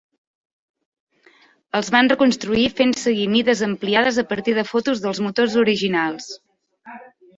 Els van reconstruir fent seguir mides ampliades a partir de fotos dels motors originals.